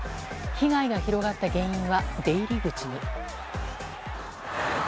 被害が広がった原因は出入り口に。